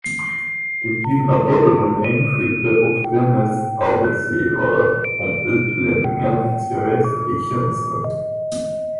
Detta gynnar både den enskilde och dennes arbetsgivare om utlänningen ska resa i tjänsten.